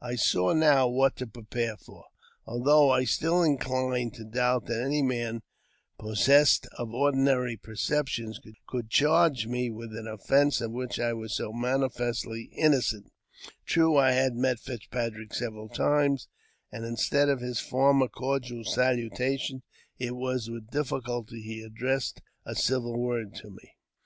I saw now what to prepare for, although I still inclined to doubt that any man, possessed of ordinary perceptions, could charge me with an offence of which I was so manifestly inno cent. True, I had met Fitzpatrick several times, and, instead AUTOBIOGBAPHY OF JAMES P. BECKWOUBTH. 319 of his former cordial salutation it was with difficulty he addressed a civil word to me.